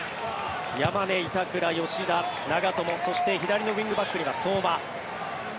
山根、板倉、吉田長友、そして左のウィングバックには相馬。